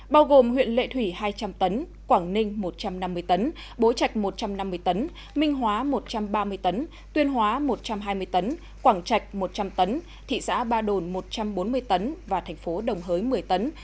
bao gồm huyện lệ thủy hai trăm linh tấn quảng ninh một trăm năm mươi tấn bố trạch một trăm năm mươi tấn minh hóa một trăm ba mươi tấn tuyên hóa một trăm hai mươi tấn quảng trạch một trăm linh tấn thị xã ba đồn một trăm bốn mươi tấn và thành phố đồng hới một mươi tấn